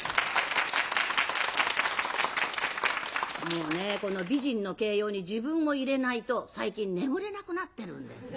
もうねこの美人の形容に自分を入れないと最近眠れなくなってるんです。